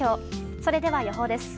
それでは、予報です。